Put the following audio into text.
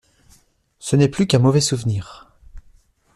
Ce n’est plus qu’un mauvais souvenir.